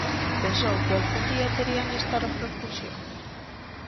Pensou que algún día terían esta repercusión?